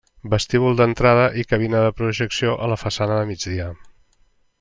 Vestíbul d'entrada i cabina de projecció a la façana de migdia.